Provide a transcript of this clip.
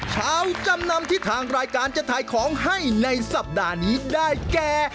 จำนำที่ทางรายการจะถ่ายของให้ในสัปดาห์นี้ได้แก่